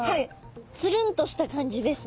ツルンとした感じですね。